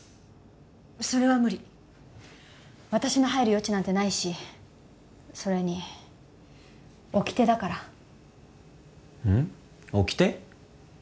それは無理私の入る余地なんてないしそれに掟だからうん掟？